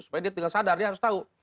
supaya dia tinggal sadar dia harus tahu